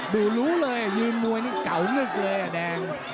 ดูรู้เลยยืนมวยนี่เก่าลึกเลยอ่ะแดง